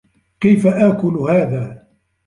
كيف آكل هذا؟